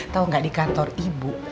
tau gak di kantor ibu